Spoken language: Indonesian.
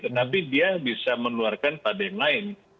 tetapi dia bisa menularkan pada yang lain